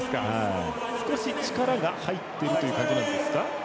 少し、力が入っているという感じなんですか？